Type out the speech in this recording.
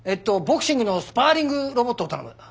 ボクシングのスパーリングロボットを頼む。